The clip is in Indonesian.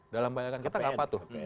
dalam bayangan kita nggak patuh